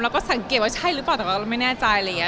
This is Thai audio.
เราก็สังเกตว่าใช่หรือเปล่าแต่ว่าเราไม่แน่ใจ